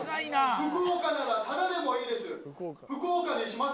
福岡ならタダでもいいです。